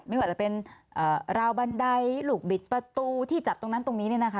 ไม่ว่าจะเป็นราวบันไดลูกบิดประตูที่จับตรงนั้นตรงนี้